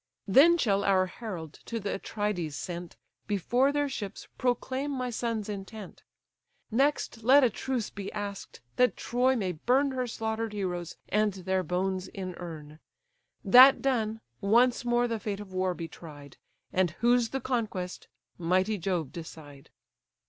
Then shall our herald, to the Atrides sent, Before their ships proclaim my son's intent. Next let a truce be ask'd, that Troy may burn Her slaughter'd heroes, and their bones inurn; That done, once more the fate of war be tried, And whose the conquest, mighty Jove decide!"